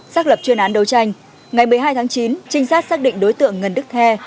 xác lập chuyên án đấu tranh ngày một mươi hai tháng chín trinh sát xác định đối tượng ngân đức the